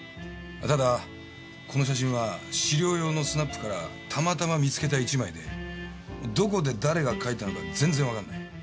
ただこの写真は資料用のスナップからたまたま見つけた１枚でどこで誰が描いたのか全然わからない。